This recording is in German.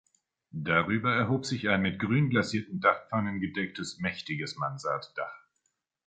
Darüber erhob sich ein mit grün glasierten Dachpfannen gedecktes mächtiges Mansarddach.